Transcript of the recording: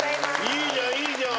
いいじゃんいいじゃん。